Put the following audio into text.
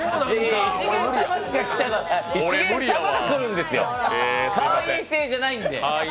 一見様が来るんですよ、会員制じゃないんで。